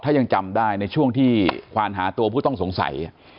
ถ้ายังจำได้ในช่วงที่ควานหาตัวผู้ต้องสงสัย